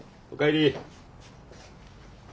おかえり。